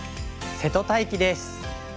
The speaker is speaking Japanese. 瀬戸大樹です。